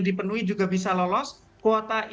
dipenuhi juga bisa lolos kuota